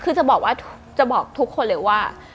คือจะบอกทุกคนเลยว่า